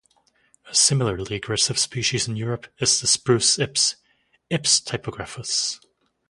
A similarly aggressive species in Europe is the spruce ips "Ips typographus".